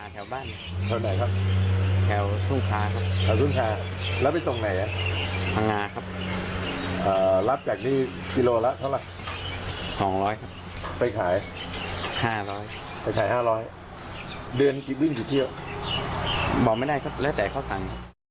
แต่ถ่าย๕๐๐เดือนรื่นที่เที่ยวบอกไม่ได้แล้วแต่เขาสั่ง